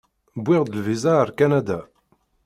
Wwiɣ-d lviza ar Kanada.